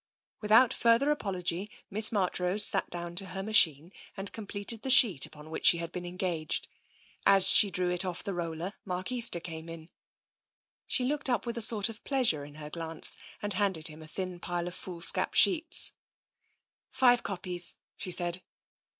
'' Without further apology, Miss Marchrose sat down to her machine and completed the sheet upon which she had been engaged. As she drew it off the roller, Mark Easter came in. She looked up with a sort of pleasure in her glance, and handed him a thin pile of foolscap sheets. " Five copies," she said.